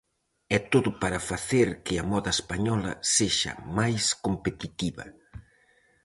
E todo para facer que a moda española sexa máis competitiva.